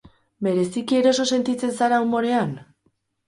Bereziki eroso sentitzen zara umorean?